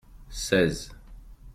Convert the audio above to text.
seize.